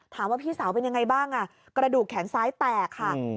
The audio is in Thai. ถามว่าพี่สาวเป็นยังไงบ้างอ่ะกระดูกแขนซ้ายแตกค่ะอืม